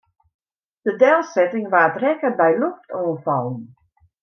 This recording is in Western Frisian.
De delsetting waard rekke by loftoanfallen.